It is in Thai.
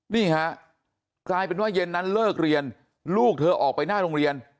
นี่ฮะกลายเป็นว่าเย็นนั้นเลิกเรียนลูกเธอออกไปหน้าโรงเรียน